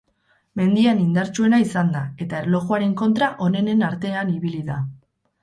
Mendian indartsuena izan da, eta erlojuaren kontra onenen artean ibili da.